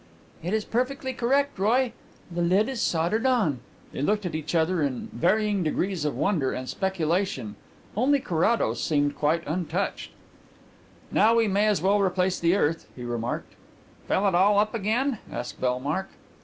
"It is perfectly correct, Roy. The lid is soldered on." They looked at each other in varying degrees of wonder and speculation. Only Carrados seemed quite untouched. "Now we may as well replace the earth," he remarked. "Fill it all up again?" asked Bellmark.